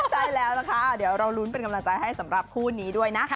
ใช่แล้วนะคะเดี๋ยวเรารุ้นเป็นกำลังใจให้สำหรับคู่นี้ด้วยนะ